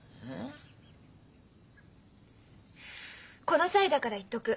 この際だから言っとく。